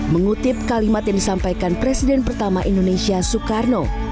mengutip kalimat yang disampaikan presiden pertama indonesia soekarno